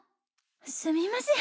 すみません